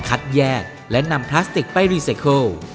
แยกและนำพลาสติกไปรีไซเคิล